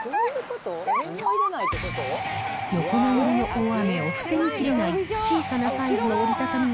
横殴りの大雨を防ぎきれない小さなサイズの折りたたみ